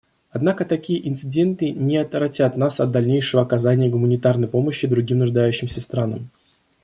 Однако такие инциденты не отвратят нас от дальнейшего оказания гуманитарной помощи другим нуждающимся странам.